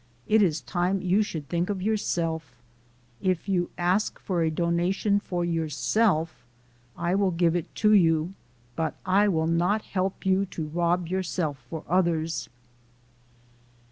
It is time you should think of yourself. If you ask for a donation for yourself, I will give it to you ; but I will not help you to rob yourself for others."